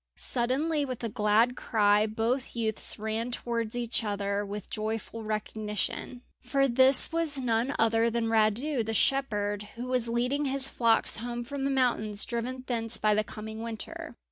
Suddenly, with a glad cry, both youths ran towards each other with joyful recognition, for this was none other than Radu, the shepherd, who was leading his flocks home from the mountains, driven thence by the coming winter.